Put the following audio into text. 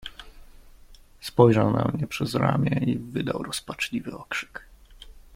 "Spojrzał na mnie przez ramię i wydał rozpaczliwy okrzyk."